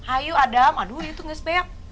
ayo adam aduh itu gak sepeak